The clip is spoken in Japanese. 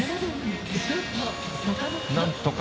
なんとか。